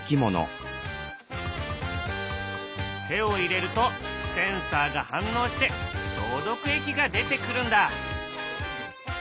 手を入れるとセンサーが反応して消毒液が出てくるんだ。